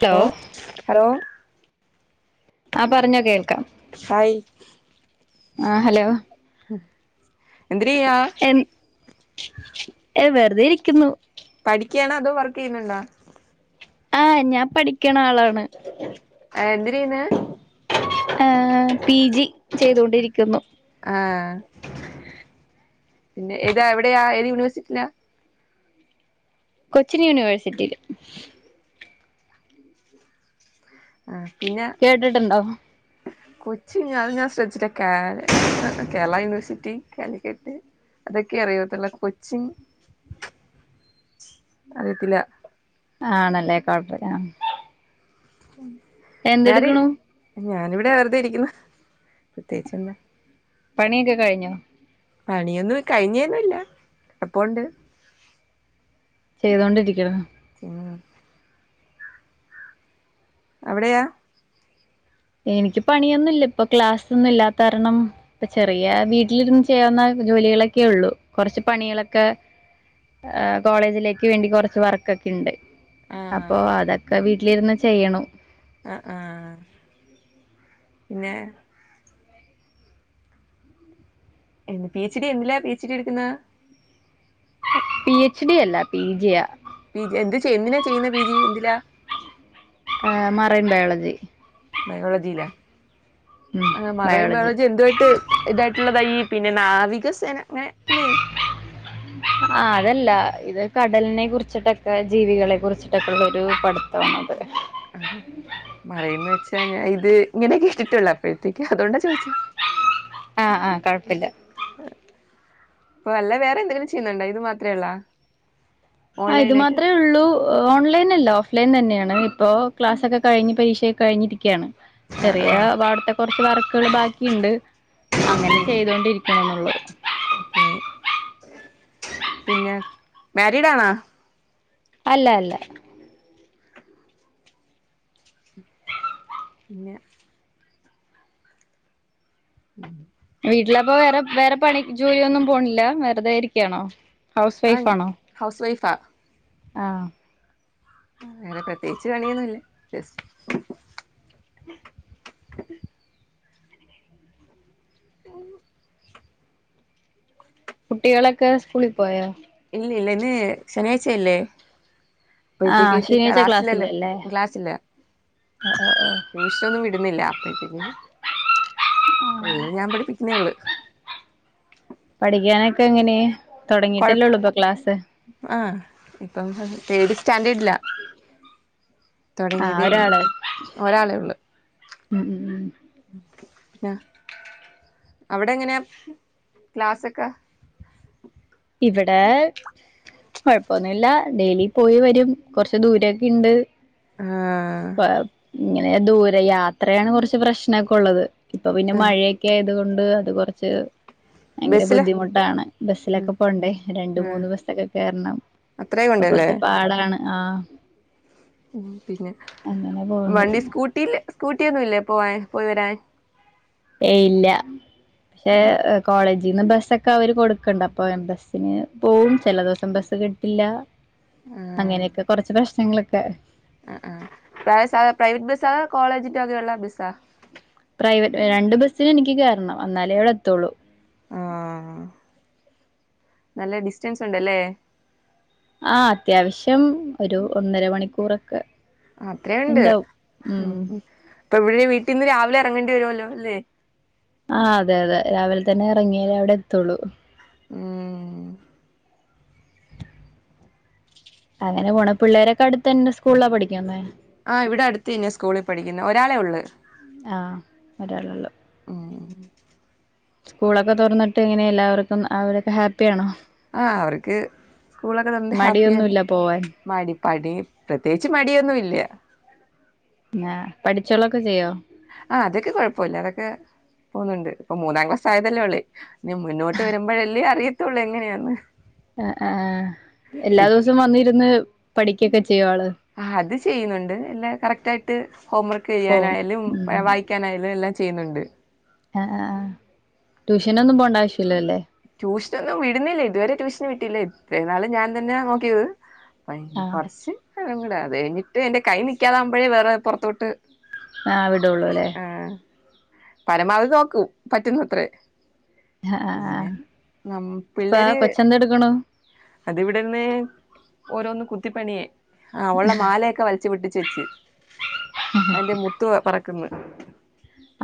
Hello ഓഹ് hello ആഹ് പറഞ്ഞൊ കേൾക്കാം ഹായ് ആ ഹലോ എന്തെര്യ്യാ എനി ഏഹ് വെറുതെ ഇരിക്കുന്നു പഠിക്ക്യാണോ അതൊ വർക്കെയ്യുന്നുണ്ടാ ആഹ് ഞാൻ പഠിക്കണളാണ് ആഹ് എന്തിര് ചെയ്യ്ന്ന് ഏഹ് പി ജി ചെയ്തോണ്ടിരിക്കുന്നു ആഹ് പിന്നെ ഇത് എവിടെയാ ഏത് യൂണിവേഴ്സിറ്റിലാ കൊച്ചിൻ യൂണിവേഴ്സിറ്റിയില് പിന്ന കേട്ടിട്ടുണ്ടോ കൊച്ചി ഞാ ഞാൻ ശ്രദ്ധിച്ചില്ല കേര കേരള യൂണിവേഴ്സിറ്റി കാലിക്കെട്ട് അതൊക്കെ അറിയത്തൊള്ളൂ കൊച്ചിൻ അറിയത്തില്ല ആണല്ലേ കൊഴപ്പില്ല ആഹ് മ്യാരി എന്തെടുക്കണു ഞാനിവിടെ വെറുതെ ഇരിക്കുന്ന് പ്രത്യേകിച്ചെന്നാ പണിയെക്കെ കഴിഞ്ഞോ പണിയൊന്നും കഴിഞ്ഞേന്നുവില്ല കെടപ്പോണ്ട് ചെയ്തോണ്ടിരിക്കാണോ ഉം എവ്ടെയാ എനിക്ക് പണിയൊന്നില്ലപ്പൊ ക്ലാസൊന്നും ഇല്ലാത്താരണം ഇപ്പ ചെറിയ വീട്ടിലിര്ന്ന് ചെയ്യാവുന്ന ജോലികളൊക്കെയൊള്ളു കൊറച്ച് പണികളക്കെ ഏഹ് കോളേജിലേക്ക് വേണ്ടി കൊറച്ച് വർക്കെക്കിണ്ട് അപ്പോ ആഹ് അതൊക്കെ വീട്ടിലിര്ന്ന് ചെയ്യണു ആഹ ആഹ പിന്നെ എന്ത് പിച്ച് ഡി എന്തിലാ പി എച്ച് ഡി എട്ക്ക്ന്നേ പി എച്ച് ഡി അല്ല പി ജിയ പി ജി എന്ത് ചെയ് എന്തിനാ ചെയ്യുന്ന പി ജി എന്തിലാ ഏഹ മറയൻ ബയോളജി. ബയോളജില എഹ മറയൻ ബയോളജി എന്തുവായിട്ട് ഇതായിട്ടുള്ളത ഈ പിന്നെ നാവികസേന അങ്ങനെ ല്ലെ ആഹ അതല്ല ഇത് കടൽനെ കുറിച്ചിട്ടൊക്കെ ജീവികളെ കുറിച്ചിട്ടൊക്കെ ഉള്ള ഒരു പഠ്ത്താണ്ത്. ആഹ മറയന്ന് വെച്ചാ ഞാൻ ഇത് ഇങ്ങനെ കേട്ടിട്ടുള്ളൂ അപ്പോഴത്തേക്ക് അതോണ്ടാ ചോയിച്ചേ ആഹ ആഹ കുഴപ്പില്ല. പ്പ അല്ല വേറെ എന്തെങ്കിലും ചെയ്യുന്ന്ണ്ടോ ഇത് മാത്രേള്ളോ? ആഹ ഇത് മാത്രേ ഉള്ളൂ. ഓൺലൈനല്ല ഓഫ് ലൈൻ തന്നെയാണ് ഇപ്പോ ക്ലാസ്സൊക്കെകഴിഞ് പരീക്ഷയൊക്കെ കഴിഞ്ഞിരിക്കാണ്. ആഹ് ചെറിയ ആഹ് വാട്ത്തെ കൊറച്ച് വർക്കുകൾ ബാക്കിയിണ്ട്. അങ്ങനെ ചെയ്തോണ്ടിരിക്കണ്ന്നുള്ളൂ. അതെ പിന്നെ മാരിഡാണോ? അല്ല അല്ല. പിന്നെ ഉം. വീട്ടിലപ്പ വേറെ വേറെ പണി ജോലിയ ഒന്നും പോണില്ല വെറുതെയിരിക്കാണോ? ഹൗസ് ആഹ് വൈഫാണോ? ഹൗസ് വൈഫാ ആഹ വേറെ പ്രത്യേകിച്ച് പണിയൊന്നുല്ല ജസ് കുട്ടികളൊക്കെ സ്കൂളി പോയോ? ഇല്ല ഇല്ല ഇന്ന് ശനിയാഴ്ചയല്ലേ? പ്പഴ്ത്തേക്ക് ആഹ് ഇപി ശനിയാഴ്ച ക്ലാസില്ലല്ലോ ക്ലാസ്സില്ലല്ലേ ക്ലാസില്ല. ട്യുഷനൊന്നും വിടുന്നില്ല അപ്പഴത്തേക് ഉള്ളത് ഞാൻ പഠിപ്പിക്കുന്നേ ഉള്ളു. പഠിക്കാനൊക്കെ എങ്ങനെ തുടങ്ങിയിട്ടല്ലേള്ളു പ്പൊ ക്ലാസ് ആഹ ഇപ്പം തെഡ് സ്റ്റാൻഡേർഡില. ആഹ് ഉള്ളൂ ഒരാള് ഒരാളെ ഉം ഉം ഉം ന്ന അവിടെങ്ങനെയാ ക്ലാസൊക്കെ? ഇവടെ കുഴപ്പൊന്നുല്ല ഡെയിലി പോയി വരും കൊറച്ച് ദൂരൊക്കെ ഇണ്ട്. ആഹ പ്പ ഇങ്ങനെ ദൂരെ യാത്രയാണ് കൊർച്ച് പ്രശ്നൊക്കെ ഉള്ളത് ഇപ്പൊ പിന്നെ ആഹ് മഴയി ക്കെആയത്‌ കൊണ്ട് അത് കൊറച്ച് ഭയങ്കര ബസ്സില് ബുദ്ധിമുട്ടാണ് ഉം ബസിലൊക്കെ. പ്പോണ്ടേ രണ്ട് ആഹ് മൂന്ന് ബസൊക്കെ കേറണം അത്രേ ഇപ്പൊ കൊണ്ടല്ലേ കൊർച്ച് പാടാണ് ആഹ ഉം പിന്നെ അങ്ങനെ പോകുന്നു വണ്ടി സ്കൂട്ടിൽ സ്കൂട്ടി ഒന്നുല്ലേ പോവാൻ പോയിവരാൻ. ഏയ് ഇല്ല ഏഹ കോളേജിന്ന് ബസ്സൊക്കെ അവര് കൊട്ക്ക്ണ്ട് അപ്പൊ ഞ ബസ്സിന് പോവും ചില ദെവസം ബസ് കിട്ടില്ല. അങ്ങനെയൊക്കെ കൊറച്ച് പ്രശ്നങ്ങളൊക്കെ. ആഹ ആഹ [unintelligible] പ്രൈവറ്റ് ബസ്സാ കോളേജിന്റെ വകയുള്ള ബസ്സാ? പ്രൈവറ്റ് എ രണ്ട് ബസ്സിന് എനിക്ക് കേറണം എന്നാലേ അവിടെ എത്തുള്ളൂ. ആഹ് നല്ല ഡിസ്റ്റൻസ് ഉണ്ടല്ലേ ആഹ് അത്യാവിശ്യം ഒരു ഒന്നര മണിക്കൂറൊക്കെ അത്രയുണ്ട് ഉം ഇപ്പ ഇവിടെ വീട്ടിന്ന് രാവിലെ എറങ്ങണ്ടി വരുമല്ലോ ല്ലേ ആഹ് അതെ അതെ രാവില് തന്നെ എറങ്ങിയാലേ അവിടത്തൊള്ളൂ ഉം അങ്ങനെ പോണ് പിള്ളേരൊക്കെ അടുത്തന്ന സ്കൂളിലാ പഠിക്ക്ന്നേ ആ ഇവിടെ അടുത്ത് തന്നേ സ്കൂളി പഠിക്ക്ന്ന് ഒരാളെ ഒള്ള് ആഹ് ഒരാളൊള്ളൂ ഉം സ്കൂളൊക്കെ തൊറന്ന്ട്ട് എങ്ങനെ എല്ലാവർക്കും അവരൊക്കെ ഹാപ്പിയാണോ ആഹ് അവർക്ക് സ്കൂളൊക്കെ തൊറന്ന്ട്ട് ഹാപ്പിയാണ് മടിയൊന്നുല്ല പോവാൻ മടി പടി പ്രത്യേകിച്ച് മടിയൊന്നു ഇല്ല ആഹ് പഠിച്ചൊക്കെ ചെയ്യോ ആഹ് അതൊക്കെ കൊഴപ്പല്ല അതൊക്കെ പോന്നുണ്ട് ഇപ്പ മൂന്നാം ക്ലാസ് ആയതല്ലേ ഒള്ളേ ഇഞ് മുന്നോട്ട് വരുമ്പഴല്ലേ അറിയത്തൊള്ളേ എങ്ങനെയാന്ന് അഹ് അഹ് എല്ലാ ദിവസും വന്നിരുന്ന് പഠിക്കൊക്കെ ചെയ്യോ ആള് ആഹ് അത് ചെയ്യ്ന്ന്ണ്ട് എല്ലാ കറക്റ്റ് ആയിട്ട് ഹോം വർക്ക് പോവും ചെയ്യാനായാലും ഉം വായി കാനായലും എല്ലാം ചെയ്യുന്നുണ്ട് ആഹ് ആഹ് ട്യൂഷനൊന്നും പോണ്ട ആവശ്യല്ലല്ലേ ട്യൂഷൻ വിടുന്നില്ല ഇതുവരെ ട്യൂഷന് വീട്ടില്ല ഇത്ര നാളും ഞാൻ തന്നെ നോക്കീത് അപ്പ ഇനി ആഹ് കൊറച്ച് കഴിയൂലേ അത് കഴിഞ്ഞിട്ട് എന്റെ കൈ നിക്കാതാവുമ്പഴേ വേറെ പൊറത്തോട്ട് ആഹ് വിടുള്ളൂ അല്ലേ ആഹ് പരമാവധി നോക്കും പറ്റുന്നത്രേ ആഹ് ആഹ് ആഹ് പിന്നെ നം ഇപ്പാ കൊച്ചെന്തെടുക്കുണു അത് ഇവിടര്ന്ന് ഓരോന്ന് കുത്തിപ്പണീ ആഹ് ഓളെ മാലയൊക്കെ വലച്ച്പെട്ടിച്ച് വെച്ച് അതിന്റെ മുത്ത് പെ പെറക്ക്ന്ന്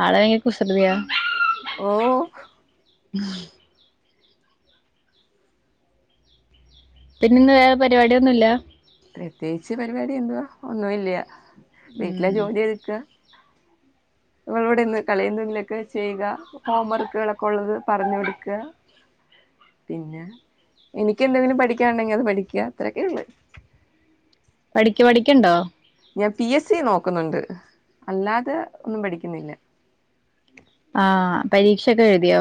ആള് ഭയങ്കര കുസൃതിയാ ഓഹ് ഉം പിന്നെ ഇന്ന് വേറ പരിവാടിയൊന്നുല്ല പ്രത്യേകിച്ച് പരിവാടി എന്തുവാ ഒന്നുല്ല്യ വീട്ടിലെ ഉം ജോലി ഒതുക്ക നിൾ ഇവിടന്ന് [unintelligible] ചെയ്യുക ഹോം വർക്ക്കളൊക്കെ ഉള്ളത് പറഞ് കൊട്ക്ക പിന്നെ എനിക്ക് എന്തെങ്കിലും പഠിക്കാണ്ടെങ്കി അത് പഠിക്ക അത്രൊക്കെ ഒള്ള് പഠിക്ക പഠിക്ക്ണ്ടോ ഞാ പി എ സ്സി നോക്കുന്നുണ്ട് അല്ലാതെ ഒന്നും പഠിക്കുന്നില്ല ആഹ് പരീക്ഷ ഒക്ക എഴുതിയോ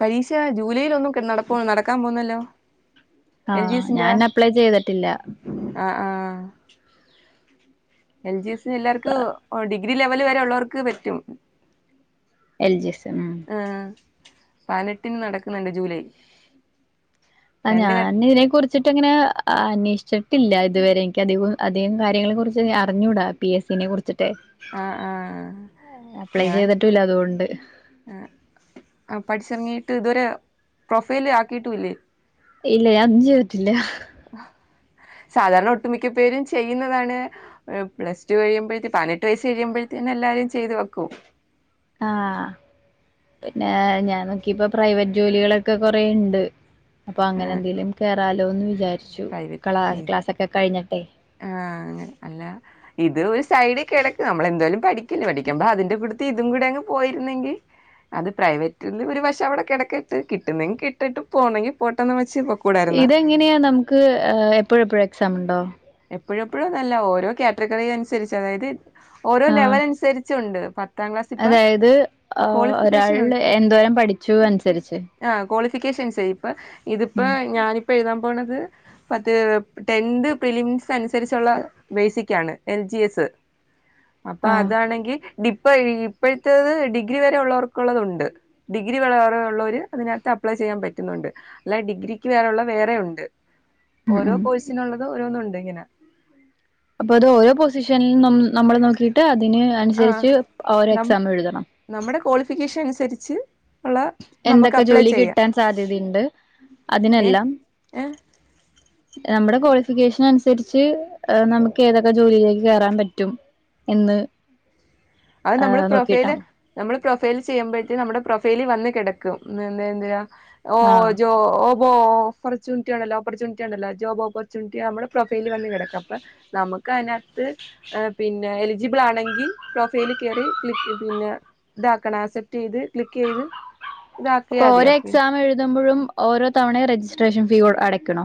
പരീക്ഷ ജൂലൈയിലൊന്നും നടക്കാ നടക്കാൻ പോവുന്നല്ലോ എൽ ജി ആഹ് എസി ന്റെ ഞാൻ അപ്ലൈ ചെയ്തിട്ടില്ല ആഹ് ആഹ് എൽ ജി എസി ന് എല്ലർക്കും ഡിഗ്രി ലെവൽ വരെ ഉള്ളവർക്ക് പറ്റും എൽ ജി എസ് ഉം ആഹ് പതിനെട്ടിന് നടക്ക്ന്ന്ണ്ട് ജൂലൈ ആ രണ്ട് ഘട്ട ഞാൻ ഇതിനെ കുറി ച്ചിട്ടങ്ങനെ അന്വേഷിച്ചിട്ടില്ല ഇതുവരെ എനിക്ക് അധിക്കും അധികം കാര്യങ്ങളെ കുറിച്ച് അറിഞ്ഞൂട പി എസ് സി നെ കുറിച്ചിട്ട് ആഹ് ആഹ് ഞാൻ ചെയ്തിട്ടുല്ല അതുകൊണ്ട് ആഹ് ആ പഠിച്ചറങ്ങീട്ട് ഇതുവരെ പ്രൊഫൈൽ ആക്കിട്ടുല്ലേ ഇല്ല അഞ്ച്ത്തില്ല സാധാരണ ഒട്ടുമിക്ക പേരും ചെയ്യുന്നതാണ് പ്ലസ് ടു കഴിയുമ്പഴേ പതിനെട്ട് വസ് കഴിയുമ്പഴത്തേന്നെ എല്ലാരും ചെയ്തു വെക്കും ആഹ് പിന്നെ ഞാൻ നോക്കിപ്പൊ പ്രൈവറ്റ് ജോലികളൊക്കെ കൊറേണ്ട് അപ്പൊ അങ്ങനെ ആഹ് എന്തെലും കേയറാലോന്ന് വിചാര്ച്ചു പ്രൈവറ്റ് ക്ലാ ക്ലാസ്ക്കെ കഴിഞ്ഞിട്ടെ ആഹ് അങ്ങനെ അല്ല. ഇത് ഒരു സൈഡിൽ കിടക്ക നമ്മളെന്തായാലും പഠിക്കല്ലേ പഠിക്കുമ്പം അതിന്റെ കൂട്ടത്തിൽ ഇതും കൂടെ അങ്ങ് പോയിരുന്നെങ്കി അത് പ്രൈവറ്റിൽന്ന് ഒരു പക്ഷെ അവിടെ കിടക്കട്ട് കിട്ടുന്നെങ്കി കിട്ടട്ട് പോണെങ്കിൽ പോട്ടെന്ന് വെച്ച് പൊ ഇതെങ്ങനെയാ നമുക്ക് എപ്പോഴെപ്പോഴും എക്സാം ണ്ടോ? എപ്പോഴെപ്പോഴു ന്നല്ല ഓരോ കാറ്റഗറി അനുസരിച്ച് അതായത്. ഓരോ ആഹ് ലെവൽ അനുസരിച്ചുണ്ട് പത്താം ക്ലാസ് ഇപ്പ അതായത് ക്വാളിഫിക്കേഷൻ ഒ ചൂ അനുസരിച്ച്. ആ ക്വാളിഫിക്കേഷൻസരി ഇപ്പ ഇതിപ്പോ ഞാനി പ്പ എഴുതാൻ പോണത് മറ്റേ ടെൻത്. ഫിലിംസ് അനുസരിച്ചുള്ള ബേസിക്കാണ് എൽ ജി എസ് അപ്പൊ ആഹ് അതാണെങ്കി. ഡിപ്പോ ഇപ്പഴത്തത് ഡിഗ്രി വരെ ഉള്ളവർക്കുള്ളത് ഉണ്ട്. ഡിഗ്രി വരെ ഉള്ളവര് അതിനകത്ത് അപ്ലൈ ചെയ്യാൻ പറ്റുന്നുണ്ട്. അല്ല ഡിഗ്രിക്ക് വേറെള്ള വേറെ ഉണ്ട് ഉം ഓരോ ഉം കോഴ്സിനുള്ളത് ഓരോന്നും ഉണ്ട് ഇങ്ങനെ. അപ്പൊ അത് ഓരോ പൊസിഷൻ ന്നോം നമ്മള് നോക്കിട്ട് അതിന് അനുസരിച്ച് ഓരോ എക്സാം എഴുതണം. നമ്മടെ ക്വാളിഫിക്കേഷൻ അനുസരിച്ച് ഉള്ള. നമുക്ക് എന്തൊക്കെ അപ്ലൈ ജോലി ചെയ്യാം കിട്ടാൻ സാധ്യതയുണ്ട് ഏ അതിനെല്ലാം? ഏ നമ്മടെ ക്വാളിഫിക്കേഷൻ അനുസരിച്ച് നമുക്ക് ഏതൊക്കെ ജോലിയിലേക്ക് കേറാൻ പറ്റും? എന്ന് അത് നമ്മള് പ്രൊഫൈല്. നോക്കിയിട്ടാണ് നമ്മള് പ്രൊഫൈൽ ചെയ്യുമ്പോഴത്തേ നമ്മുടെ പ്രൊഫൈലീ വന്ന് കെടക്കും എന്താ എന്താ എന്തയാ. ഓഹ് ആഹ് ജോ ഓഹ് വോഫർച്യുണിറ്റി ഉണ്ടല്ലോ ഓപ്പർച്യുണിണ്ടല്ലോ ജോബ്ഓപ്പർച്യുണ്റ്റി നമ്മള് പ്രൊഫൈലിൽ വന്ന് കിടക്ക അപ്പൊ. നമക്ക് അയിനാത്ത് പിന്നെ എലിജിബിൾ ആണെങ്കി. പ്രൊഫൈൽ കയറി ക്ലിക്ക് പിന്നെ ഇതാക്കണം ആക്സെപ്റ്റയ്ത് ക്ലിക്ക് ചെയ്ത്. അപ്പൊ ഇതാക്കിയാതി ഓരോ അപ്പ എക്സാം എഴുതുമ്പോഴും ഓരോ തവണയും രജിസ്ട്രേഷൻ ഫീ അടയ്ക്കണോ?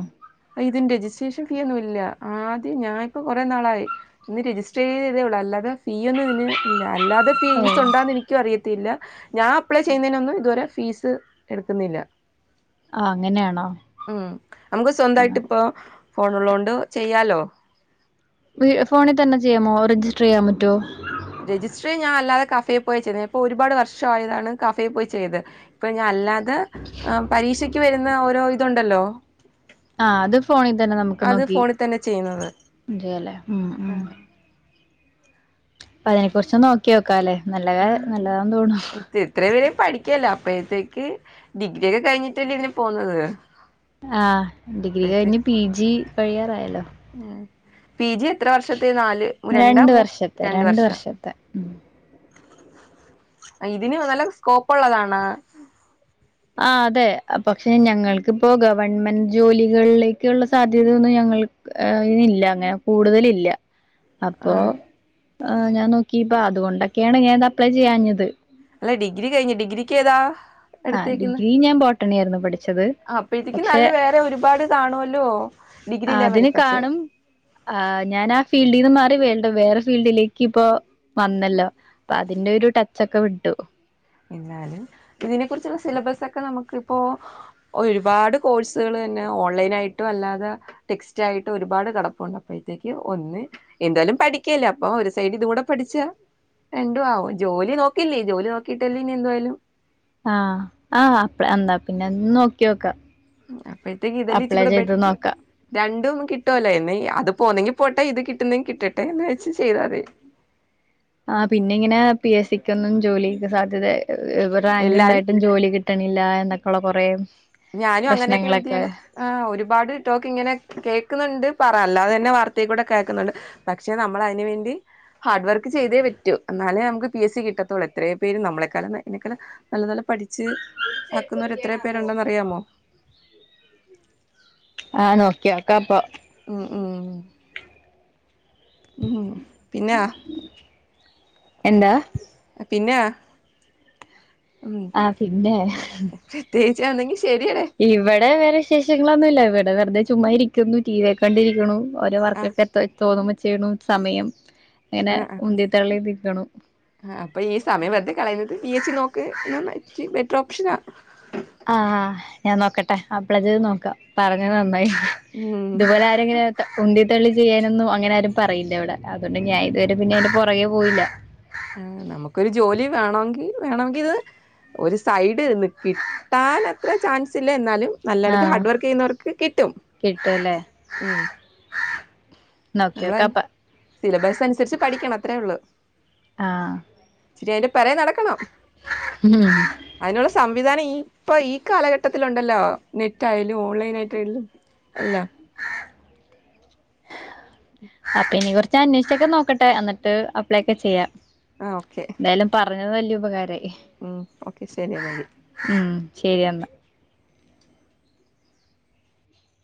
അഹ് ഇതിന്റെ രജിസ്ട്രേഷൻ ഫീ ഒന്നും ഇല്ല ആദ്യം ഞാനി പ്പോ കുറെ നാളായി. ഇന്ന് രജിസ്റ്റർയേയ്തെ ഉള്ളൂ അല്ലാതെ ഫീ ഒന്നും ഇന് ഇല്ല അല്ലാതെ ഓ ഫീസ് ഉണ്ടാന്ന്നി ക്ക്യും അറിയത്തില്ല ഞാൻ അപ്ലൈ ചെയ്യുന്നതിനൊന്നും ഇതുവരെ ഫീസ് എടുക്കുന്നില്ല. ആഹ് അങ്ങനെയാണോ? തായിട്ട് ഇപ്പൊ ഫോൺള്ളോണ്ട് ചെയ്യാലോ. ഫോണിൽ തന്നെ ചെയ്യാമോ രജിസ്റ്റർ ചെയ്യാൻ പറ്റോ? രജിസ്റ്റർ ഞാൻ അല്ലാതെ കഫയി പോയി ചെയ്തത് ഒരു പാട് വർഷം ആയതാണ് കഫയി പോയി ചെയ്ത്. ഇപ്പൊ ഞൻ അല്ലാതെ പരീക്ഷക്ക് വരുന്ന ഓരോ ഇതുണ്ടല്ലോ. ആഹ് അത് ഫോണിൽ തന്നെ നമുക്ക് അത് നോക്കി ഫോണിൽ തന്നെ ചെയ്യുന്നത് ചെയ്യല്ലേ ഉം ആ ഉം പ്പതിനെ കുറിച്ച്ഒന്ന് നോക്കി നോക്കാല്ലെ നല്ലത നല്ലതാന്ന് തോണു ഇത്രയും വരെ പഠിക്കല്ലോ അപ്പോഴത്തേക്ക് ഡിഗ്രിയ ഒക്കെ കഴിഞ്ഞിട്ടല്ലേ ഇതിന് പോന്നുന്നത്. ആഹ് ഡിഗ്രി കഴിഞ്ഞ് പി ജി കഴിയാറായല്ലോ. ഉം പി ജി എത്ര വർഷത്തെ നാല് രണ്ടോ രണ്ട് മൂ വർഷത്തെ രണ്ട് വർഷം. വർഷത്തെ ഉം. ഇതിന് നല്ല സ്കോപ്പ് ഉള്ളതാണ് ആഹ് അതെ പക്ഷെ ഞങ്ങൾക്കിപ്പോ ഗവൺമെന്റ് ജോലികളിലേക്കുള്ള സാധ്യത ഒന്നും ഞങ്ങൾ. ഏഹ് ഇതില്ല അങ്ങനെ കൂടുതലില്ല. അപ്പോ ആഹ് ഞാൻ നോക്കിയപ്പോ അതുകൊണ്ടൊക്കെയാണ് ഞാനത് അപ്ലെ ചെയ്യാഞ്ഞത്. അല്ല ഡിഗ്രി കഴിഞ്ഞാ ഡിഗ്രിക്ക് ഏതാ? ആഹ് ഡിഗ്രി ഞാൻ ബോട്ടണി ആരുന്നു പഠിച്ചത് ആഹ് അപ്പഴതിക്ക് പക്ഷെ നല്ല വേറെ ഒരുപാട് കാണുമല്ലോ ഡിഗ്രി ലെവലിൽ അതിന് പഠിച്ചെ കാണും ആഹ് ഞാൻ ആ ഫീൽഡീന്ന് മാറി വീണ്ടും വേറെ ഫീൽഡിലേക്ക് ഇപ്പോ വന്നല്ലോ. അപ്പൊ അതിന്റെ ഒരു ടച്ചൊക്കെ വിട്ടു. എന്നാലും ഇതിനെ കുറിച്ചുള്ള സിലബസ് ഒക്കെ നമുക്കിപ്പോ. ഒരുപാട് കോഴ്സുകൾ തന്നെ ഓൺലൈൻ ആയിട്ടും അല്ലാതെ. ടെക്സ്റ്റായിട്ട് ഒരുപാട് കെടപ്പൊണ്ട് അപ്പഴത്തേക്ക് ഒന്ന് എന്തായാലും പഠിക്കുവല്ലേ അപ്പൊ ഒരു സൈഡ് ഇത് കൂടെ പഠിച്ചാ രണ്ടും ആവും ജോലി നോക്കിയില്ലേ ജോലി നോക്കീട്ടല്ലേ ഇനി എന്തുവായാലും ആഹ് ആഹ് അപ്ലെ എന്നാ പിന്നെ ഒന്ന് നോക്കിയോക്കാം അപ്പോഴത്തേക്ക് ഇതല്ലേ ഇച്ചിം കൂടെ ബെറ്ററ് നോക്കാം രണ്ടും കിട്ടുവല്ലൊ എന്ന ഇ അത് പോന്നെങ്കി പോട്ടെ ഇത് കിട്ടുന്നെങ്കി കിട്ടട്ടെ എന്ന് വെച്ച് ചെയ്താത് ആഹ് പിന്നെ ഇങ്ങനെ പി എസ് സിക്ക് ഒന്നും ജോലി സാധ്യതെ ആഹ് റാങ്ക് എല്ലാരും ഇണ്ടായിട്ടും ജോലി കി ട്ടണില്ല എന്നൊക്കെയുള്ള കൊറേ ഞാനും അങ്ങനൊക്കെ പ്രശ്നങ്ങളൊക്കെ എഴുതിയാണ് ആഹ് ഒരുപാട് ടോക്ക് ഇങ്ങനെ കേക്കുന്നുണ്ട് പറ അല്ലാതെ തന്നെ വാർത്തെ കൂടെ കേക്ക്ന്നുണ്ട് പക്ഷെ നമ്മള് അതിന് വേണ്ടി ഹാർഡ് വർക്ക് ചെയ്തേ പറ്റൂ അന്നാലേ നമുക്ക് പി എസ് സി കിട്ടത്തൊള്ളു എത്രയോ പേര് നമ്മളെക്കാളും നല്ലോലെ പഠിച്ച് ആക്കുന്നവർ എത്രയോ പേരുണ്ടെന്നറിയാമോ ആഹ് നോക്കിയോക്കാപ്പൊ ഉം ഉം ഉം പിന്നാ എന്താ പിന്നാ ആഹ് പിന്നെ ചേച്ചി എന്നെങ്കി ശെരിയേ ഇവടെ വേറെ വിശേഷങ്ങളൊന്നും ഇല്ല ഇവിടെ വെറുതെ ചുമ്മായിരിക്കുന്നു ടി വി യൊക്കെ കണ്ടിരിക്കണു ഓരോ ആ വർക്കൊക്കെ എത്ര തോന്നുമ്പോ ചെയ്യണു സമയം ഇങ്ങനെ ഉന്തി തള്ളി നിക്കണു ആഹ് അപ്പൊ ഈ സമയം വെറുതെ കളയുന്നത് പി എസി നോക്ക് ബെറ്റർ ഓപ്ഷനാ ആഹ് ആഹ് ഞാൻ നോക്കട്ടെ അപ്ലെ ചെയ്തു നോക്കാം പറഞ്ഞത് നന്നായി ഉം ഇതുപോലെ ആരും ഇങ്ങനെ ഉന്തിത്തള്ളി ചെയ്യാനൊന്നും അങ്ങനെ ആരും പറയില്ല ഇവടെ അതോണ്ട് ഞാൻ ഇതുവരെ പിന്നെ ഇതിന്റെ പുറകെ പോയില്ല ആഹ് നമുക്കൊരു ജോലി വേണോങ്കി വേണോങ്കി ഇത് ഒരു സൈഡ് നി കിട്ടാൻ അത്ര ചാൻസ് ഇല്ല എന്നാലും നല്ലോണക്ക് ആഹ് ഹാർഡ് വർക്ക് ചെയ്യുന്നവർക്ക് കിട്ടും കിട്ടുവല്ലേ ഉം നമ്മളയിൻ നോക്കിയോക്കാപ്പ സിലബസ് അനുസരിച്ച് പഠിക്കണം അത്രേ ഉള്ളൂ ആഹ് ഇച്ചിരി അയിന്റെ പിറകെ നടക്കണം ഉം അയിനുള്ള സംവിധാനം ഇ ഇപ്പൊ ഈ കാലഘട്ടത്തിലുണ്ടല്ലോ നെറ്റായാലും ഓൺലൈൻ ആയിട്ടായാലും എല്ലാം ആ പിന്നെ ഇവിടത്തെ അന്വേഷിച്ചൊക്കെ നോക്കട്ടെ അന്നിട്ട് അപ്ലൈ ഒക്കെ ചെയ്യാ ആഹ് ഓക്കെ ഏന്തായാലും പറഞ്ഞത് വല്യ ഉപകാരായി ഉം ഓക്കെ ശരി എന്നങ്കി ഉം ശരി എന്നാ